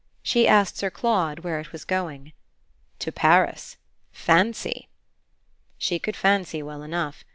She asked Sir Claude where it was going. "To Paris. Fancy!" She could fancy well enough.